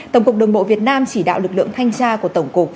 tổng cục đường bộ việt nam chỉ đạo lực lượng thanh tra của tổng cục